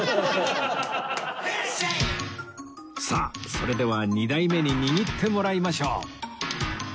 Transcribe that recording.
さあそれでは２代目に握ってもらいましょう